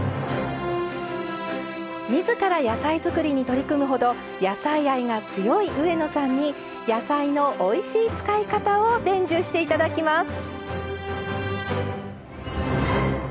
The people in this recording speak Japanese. みずから野菜作りに取り組むほど野菜愛が強い上野さんに野菜のおいしい使い方を伝授していただきます。